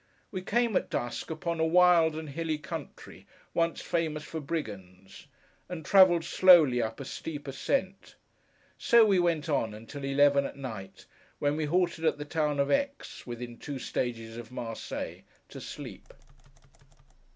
We came, at dusk, upon a wild and hilly country, once famous for brigands; and travelled slowly up a steep ascent. So we went on, until eleven at night, when we halted at the town of Aix (within two stages of Marseilles) to sleep.